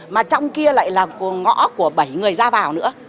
mà trong kia lại là của ngõ của bảy người ra vào nữa